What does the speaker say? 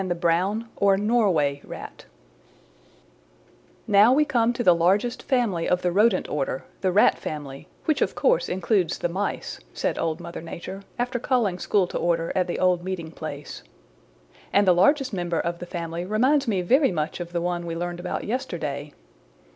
CHAPTER XIII A Worker and a Robber "Now we come to the largest family of the Rodent order, the Rat family, which of course includes the Mice," said Old Mother Nature, after calling school to order at the old meeting place. "And the largest member of the family reminds me very much of the one we learned about yesterday."